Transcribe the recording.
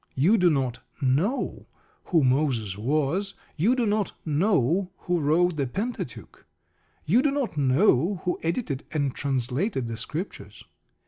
You do not know who Moses was. You do not know who wrote the Pentateuch. You do not know who edited and translated the Scriptures.